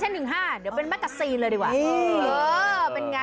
คราวหน้าจะเป็นแม็กซ์กระเภทล่ะ